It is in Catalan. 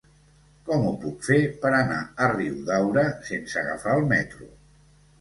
Com ho puc fer per anar a Riudaura sense agafar el metro?